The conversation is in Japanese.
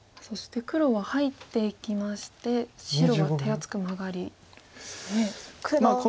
そして黒は入っていきまして白は手厚くマガリですね。